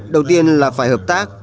đầu tiên là phải hợp tác